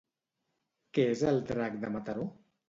Què és el drac de Mataró?